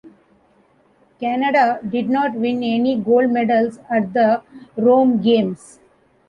Canada did not win any gold medals at the Rome games.